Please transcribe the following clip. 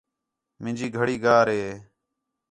مینجی گھڑی گار ہے